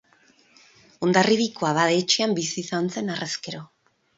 Hondarribiko abade-etxean bizi izan zen harrezkero.